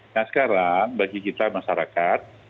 nah sekarang bagi kita masyarakat